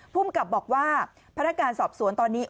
ภูมิกับบอกว่าพนักงานสอบสวนตอนนี้